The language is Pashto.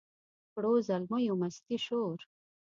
کړو زلمیو مستي شور